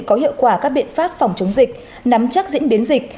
có hiệu quả các biện pháp phòng chống dịch nắm chắc diễn biến dịch